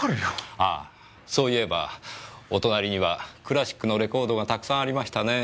ああそう言えばお隣にはクラシックのレコードがたくさんありましたねぇ。